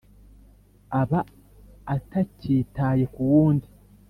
aba atakitaye ku wundi.